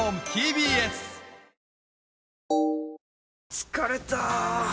疲れた！